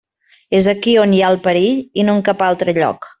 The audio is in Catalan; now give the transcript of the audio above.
És aquí on hi ha el perill, i no en cap altre lloc.